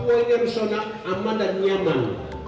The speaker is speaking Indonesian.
papua ini harus strict aman dan nyaman